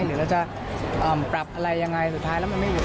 หรือเราจะปรับอะไรยังไงสุดท้ายแล้วมันไม่อยู่